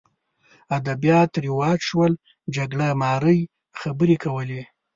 ادبیات رواج شول جګړه مارۍ خبرې کولې